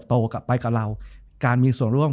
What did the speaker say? จบการโรงแรมจบการโรงแรม